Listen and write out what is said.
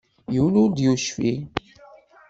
Yiwen ur d-yecqi.